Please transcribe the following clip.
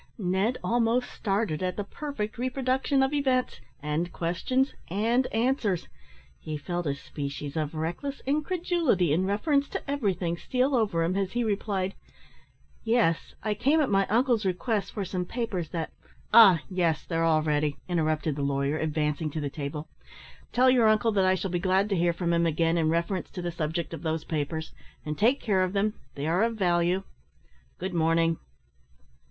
Ned almost started at the perfect reproduction of events, and questions, and answers. He felt a species of reckless incredulity in reference to everything steal over him, as he replied "Yes; I came, at my uncle's request, for some papers that " "Ah, yes, they're all ready," interrupted the lawyer, advancing to the table. "Tell your uncle that I shall be glad to hear from him again in reference to the subject of those papers; and take care of them they are of value. Good morning!"